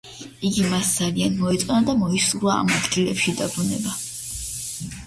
იგი მას ძალიან მოეწონა და მოისურვა ამ ადგილებში დაბრუნება.